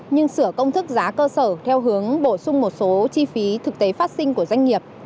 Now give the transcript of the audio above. nhưng sửa công thức giá cơ sở theo hướng bổ sung một số chi phí thực tế phát sinh của doanh nghiệp